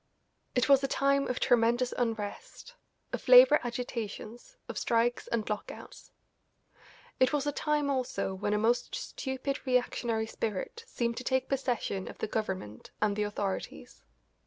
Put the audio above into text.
It was a time of tremendous unrest, of labour agitations, of strikes and lockouts. It was a time also when a most stupid reactionary spirit seemed to take possession of the Government and the authorities.